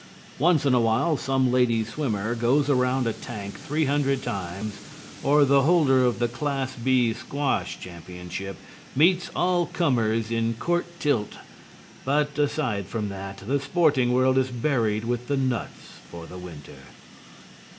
Once in a while some lady swimmer goes around a tank three hundred times, or the holder of the Class B squash championship "meets all comers in court tilt," but aside from that, the sporting world is buried with the nuts for the winter.